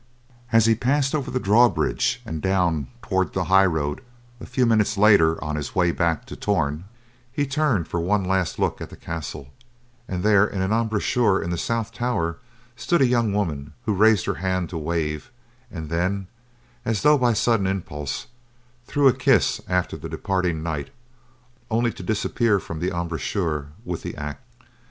As he passed over the drawbridge and down toward the highroad a few minutes later on his way back to Torn, he turned for one last look at the castle and there, in an embrasure in the south tower, stood a young woman who raised her hand to wave, and then, as though by sudden impulse, threw a kiss after the departing knight, only to disappear from the embrasure with the act.